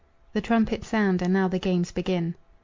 The trumpets sound, and now the games begin.